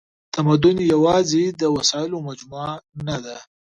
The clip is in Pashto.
تمدن یواځې د وسایلو مجموعه نهده.